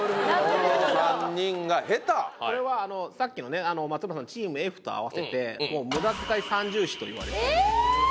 この３人がヘタこれはさっきの松村さんのチームＦと合わせて無駄遣い三銃士といわれているえ！？